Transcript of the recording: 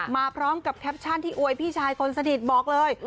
มาพร้อมกับแคปชั่นที่อวยพี่ชายคนสนิทบอกเลย